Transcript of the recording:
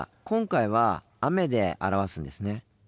今回は「雨」で表すんですね。